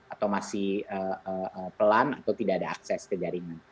atau masih pelan atau tidak ada akses ke jaringan